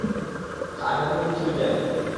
সোনা, আমি অনেক কিছুই জানি।